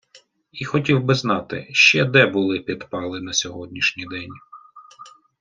І хотів би знати, ще де були підпали на сьогоднішній день?